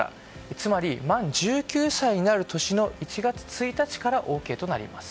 つまり満１９歳になる年の１月１日からＯＫとなります。